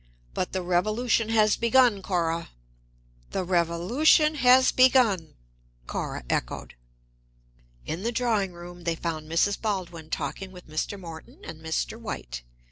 "But the revolution has begun, Cora!" "The revolution has begun," Cora echoed. In the drawing room they found Mrs. Baldwin talking with Mr. Morton and Mr. White.